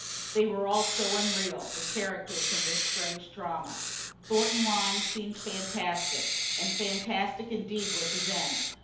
They were all so unreal, the characters in this strange drama. Thornton Lyne seemed fantastic, and fantastic indeed was his end.